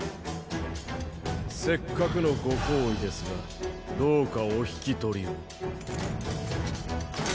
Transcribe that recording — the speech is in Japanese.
せっかくのご厚意ですがどうかお引き取りを。